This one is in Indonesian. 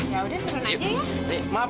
yaudah turun aja ya